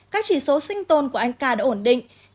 các chỉ số sinh tồn của anh ca đã ổn định